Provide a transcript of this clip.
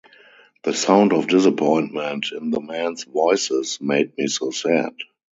The sound of disappointment in the men’s voices made me so sad.